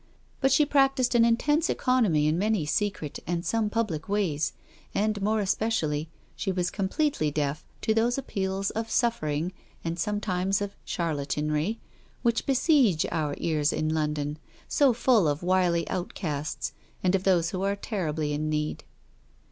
But she practised an intense economy in many secret and some public ways, and, more especially, she was completely deaf to those appeals of suffer THE LADY AND THE BEGGAR. 347 ing, and sometimes of charlatanry, which besiege our ears in London, so full of wily outcasts and of those who are terribly in need.